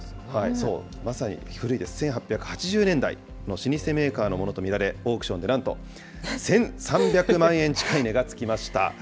まさに古いです、１８８０年代の老舗メーカーのものと見られ、オークションでなんと１３００万円近い値がつきました。